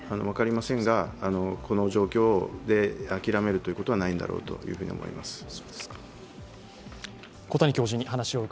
分かりませんが、この状況で諦めるということはないんだろうと思います。